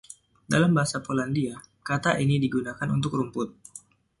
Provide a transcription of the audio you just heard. Dalam bahasa Polandia, kata ini digunakan untuk rumput.